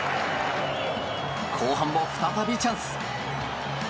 後半も再びチャンス。